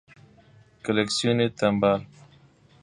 کلکسیون تمبر